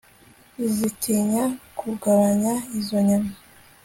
zitinya kugabanya izo nyama